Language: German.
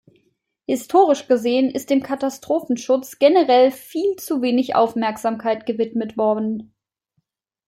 Historisch gesehen ist dem Katastrophenschutz generell viel zu wenig Aufmerksamkeit gewidmet worden.